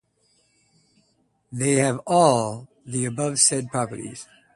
They have all the above said properties.